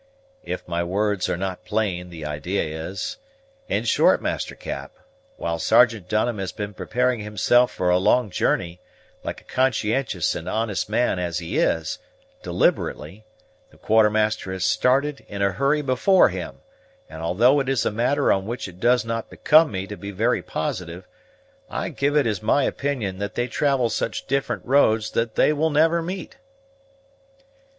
"If my words are not plain, the idee is. In short, Master Cap, while Sergeant Dunham has been preparing himself for a long journey, like a conscientious and honest man as he is, deliberately, the Quartermaster has started, in a hurry, before him; and, although it is a matter on which it does not become me to be very positive, I give it as my opinion that they travel such different roads that they will never meet."